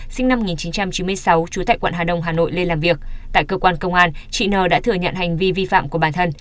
sinh năm một nghìn chín trăm chín mươi sáu trú tại quận hà đông hà nội lên làm việc tại cơ quan công an chị nờ đã thừa nhận hành vi vi phạm của bản thân